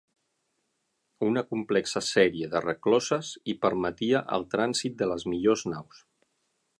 Una complexa sèrie de recloses hi permetia el trànsit de les millors naus.